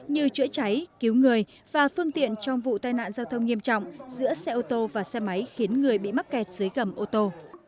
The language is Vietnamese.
như chữa cháy cứu người và phương tiện trong vụ tai nạn giao thông nghiêm trọng giữa xe ô tô và xe máy khiến người bị mắc kẹt dưới gầm ô tô